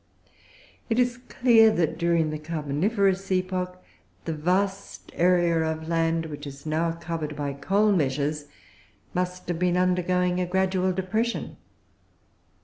It is clear that, during the Carboniferous epoch, the vast area of land which is now covered by Coal measures must have been undergoing a gradual depression.